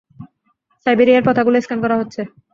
সাইবেরিয়ার প্রথাগুলো স্ক্যান করা হচ্ছে।